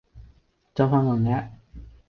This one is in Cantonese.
裝返個 app